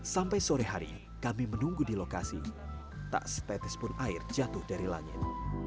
sampai sore hari kami menunggu di lokasi tak setetes pun air jatuh dari langit